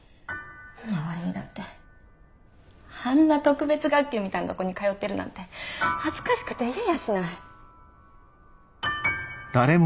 周りにだってあんな特別学級みたいなとこに通ってるなんて恥ずかしくて言えやしない。